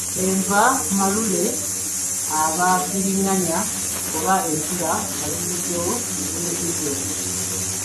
Enva malule aba bbiriŋŋanya oba entula nga ziruddewo ne zireeta ejjovu.